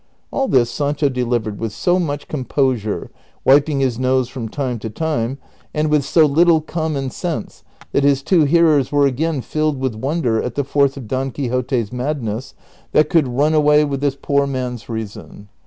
All this Sancho delivered with so much com posure — wiping his nose from time to time — and Avith so little common sense that his two hearers were again filled with wonder at the force of Don Quixote's madness that could run Vol. I. — U 210 DON QUIXOTE. away with this poor man's reason.